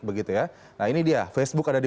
begitu ya nah ini dia facebook ada di